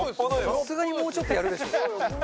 さすがにもうちょっとやるでしょ。